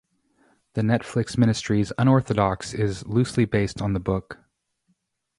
The Netflix miniseries "Unorthodox" is loosely based on the book.